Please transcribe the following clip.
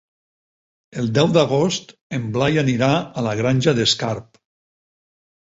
El deu d'agost en Blai anirà a la Granja d'Escarp.